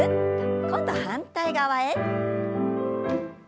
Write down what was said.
今度反対側へ。